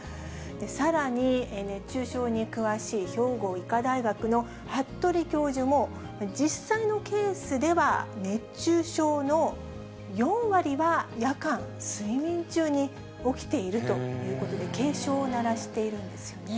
さらに熱中症に詳しい兵庫医科大学の服部教授も、実際のケースでは熱中症の４割は夜間、睡眠中に起きているということで、警鐘を鳴らしているんですよね。